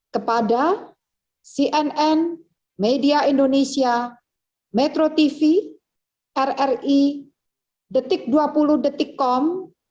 kepada cnn media indonesia metro tv rri detik dua puluh detikkom